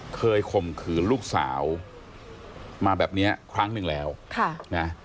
ข่มขืนลูกสาวมาแบบเนี้ยครั้งหนึ่งแล้วค่ะนะ